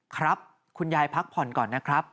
ครับคุณยายพักผ่อนก่อนนะครับ